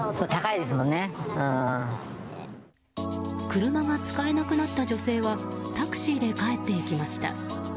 車が使えなくなった女性はタクシーで帰っていきました。